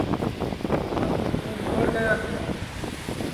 راتی توں کِتوڑ گیا تِیا